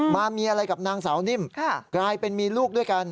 มามีอะไรกับนางสาวนิ่มกลายเป็นมีลูกด้วยกัน